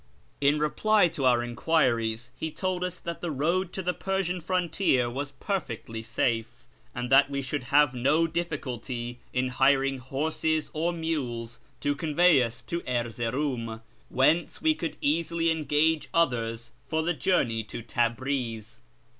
In reply to our enquiries, he told us that the road to the Persian frontier was peri'ectly safe, and that we should have no ditUculty in hiring horses or mules to convey lis to Erzerouni, whence we could easily engage others for the journey to Tabriz.